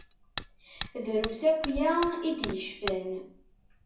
Drus akya i d-yecfan.